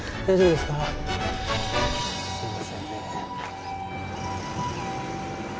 すいませんね